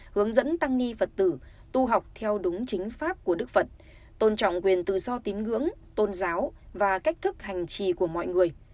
hướng dẫn tăng ni phật tử tu học theo đúng chính pháp của đức phật tôn trọng quyền tự do tín ngưỡng tôn giáo và cách thức hành trì của mọi người